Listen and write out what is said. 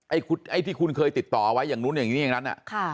ไอ้ที่คุณเคยติดต่อไว้อย่างนู้นอย่างนี้อย่างนั้น